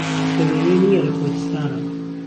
به وێنهی نییه له کوردستانا